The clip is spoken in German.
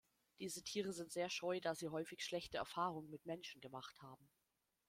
Diese Tiere sind sehr scheu, da sie häufig schlechte Erfahrungen mit Menschen gemacht haben.